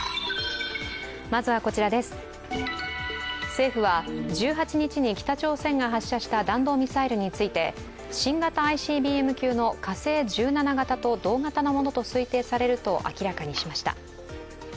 政府は、１８日に北朝鮮が発射した弾道ミサイルについて新型ＩＣＢＭ級の火星１７型と同型のものと推定されると明らかにしました。